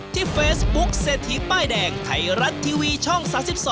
ที่เฟซบุ๊คเศรษฐีป้ายแดงไทยรัฐทีวีช่อง๓๒